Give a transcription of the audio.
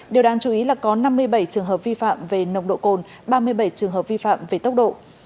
điều đáng chú ý là có năm mươi bảy trường hợp vi phạm về nồng độ cồn ba mươi bảy trường hợp vi phạm về tốc độ